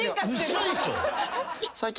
嘘でしょ！？